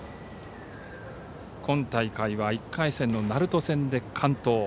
今大会は１回戦の鳴門戦で完投。